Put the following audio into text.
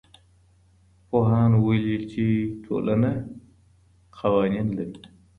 پوهانو ويلي چي ټولنه قوانين لري.